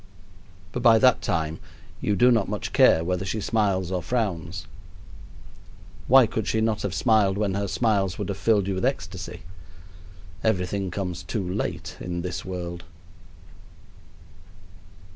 But by that time you do not much care whether she smiles or frowns. Why could she not have smiled when her smiles would have filled you with ecstasy? Everything comes too late in this world.